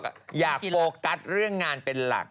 ก็จะบอกอย่าโฟคัตเรื่องงานเป็นหลัก